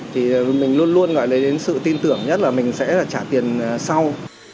thì mình luôn luôn gọi là đến sự tin tưởng nhất là mình sẽ trả tiền sau